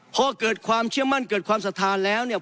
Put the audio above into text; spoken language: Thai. พอเกิดความเชื่อมั่นเกิดความศรัทธาแล้วเนี่ย